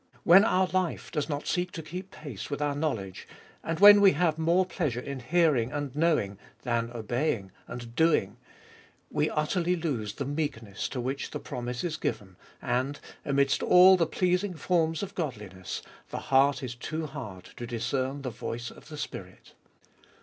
When our life does not seek to keep pace with our knowledge, and we have more pleasure in hearing and knowing than obeying and doing, we utterly lose the meekness to which the promise is given, and, amidst all the pleasing forms of godliness, the heart is too hard to discern the voice of the Spirit.